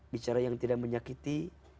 bicara yang tidak menyakiti